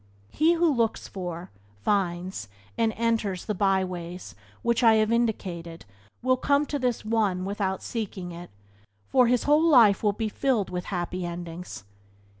He who looks for, finds, and enters the byways which I have indicated will come to this one without seeking it, for his whole life will be filled with happy endings.